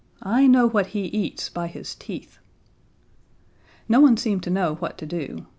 I know what he eats by his teeth." No one seemed to know what to do.